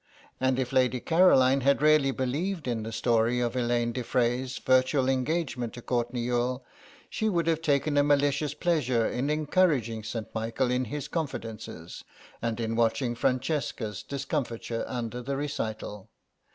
And if Lady Caroline had really believed in the story of Elaine de Frey's virtual engagement to Courtenay Youghal she would have taken a malicious pleasure in encouraging St. Michael in his confidences, and in watching Francesca's discomfiture under the recital.